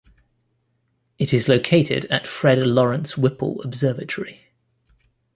It is located at Fred Lawrence Whipple Observatory.